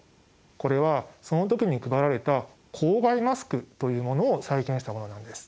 これはその時に配られた公害マスクというものを再現したものなんです。